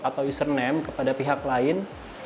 atau username kepada pihak lain